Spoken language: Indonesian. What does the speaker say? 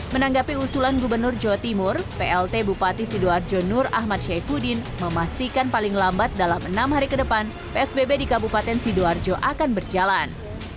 menanggapi usulan gubernur jawa timur plt bupati sidoarjo nur ahmad syaifuddin memastikan paling lambat dalam enam hari ke depan psbb di kabupaten sidoarjo akan berjalan